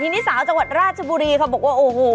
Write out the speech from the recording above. ทีนี้สาวจังหวัดราชบุรีเขาบอกว่าโอ้โห